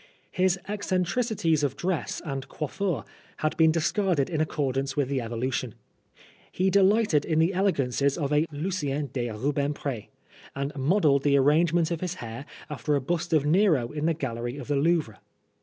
His eccentricities of dress and coiffure had been discarded in accordance * with the evolution. He delighted in the elegances of a Lucien de Rubempre, and modelled the arrangement of his hair after a bust of Nero in the gallery of the Louvre.